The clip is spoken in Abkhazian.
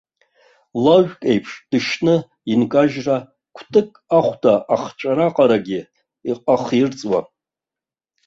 Лажәк еиԥш дышьны инкажьра кәтык ахәда ахҵәара аҟарагьы ахирҵуам.